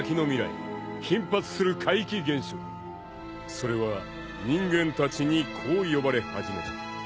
［それは人間たちにこう呼ばれ始めた］